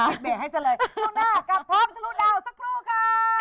แบบแบบให้เสียเลยช่วงหน้ากลับพร้อมทะลุดาวสักครู่ค่ะ